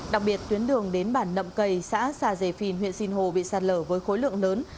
đặc biệt tuyến đường đến bản nậm cầy xã sa dề phìn huyện sinh hồ bị sạt lở với khối lượng lớn